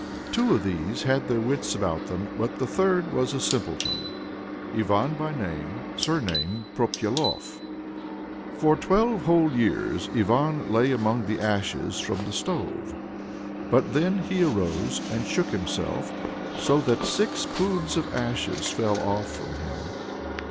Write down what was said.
Two of these had their wits about them, but the third was a simpleton, Ivan by name, surnamed Popyalof. For twelve whole years Ivan lay among the ashes from the stove; but then he arose, and shook himself, so that six poods of ashes fell off from him.